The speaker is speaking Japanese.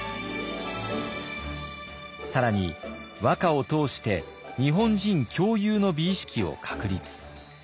更に和歌を通して日本人共有の美意識を確立。